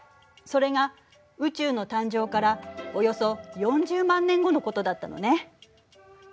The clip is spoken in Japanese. それが宇宙の誕生からおよそ４０万年後のことだったのね。